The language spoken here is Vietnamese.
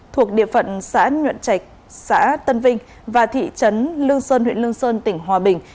thuộc địa phận xã nhuận trạch xã tân vinh và thị trấn lương sơn huyện lương sơn tỉnh hòa bình